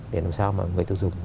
để làm sao mà người tiêu dùng